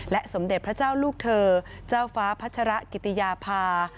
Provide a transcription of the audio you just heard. สมเด็จพระเจ้าลูกเธอเจ้าฟ้าพัชระกิติยาภา